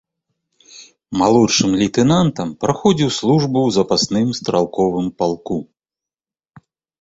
Малодшым лейтэнантам праходзіў службу ў запасным стралковым палку.